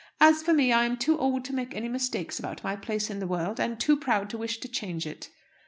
As for me, I am too old to make any mistakes about my place in the world, and too proud to wish to change it."